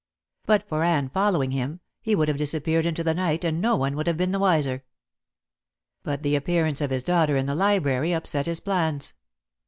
But for Anne following him, he would have disappeared into the night and no one would have been the wiser. But the appearance of his daughter in the library upset his plans.